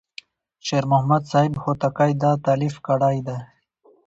شیر محمد صاحب هوتکی دا تألیف کړی دی.